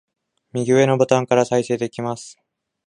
右上のボタンから再生できます